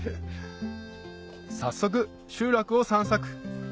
早速集落を散策